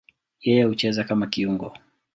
Yeye hucheza kama kiungo.